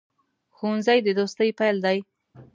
ښوونځی د دوستۍ پیل دی